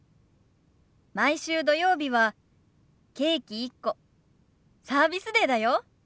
毎週土曜日はケーキ１個サービスデーだよ。